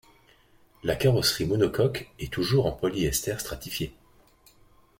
La carrosserie monocoque est toujours en polyester stratifié.